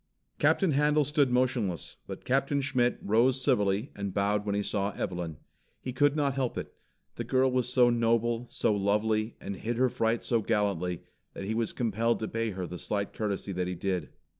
Captain Handel stood motionless, but Captain Schmitt rose civilly and bowed when he saw Evelyn. He could not help it. The girl was so noble, so lovely, and hid her fright so gallantly, that he was compelled to pay her the slight courtesy that he did.